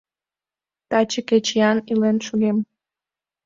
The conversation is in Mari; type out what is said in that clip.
Таче кечыян илен шогем.